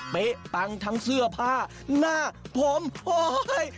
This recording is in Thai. เป๊ะปังทั้งเสื้อผ้าหน้าผมเฮ้ย